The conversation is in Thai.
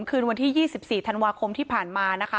คืนวันที่๒๔ธันวาคมที่ผ่านมานะคะ